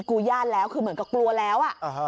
กูญาติแล้วคือเหมือนกับกลัวแล้ว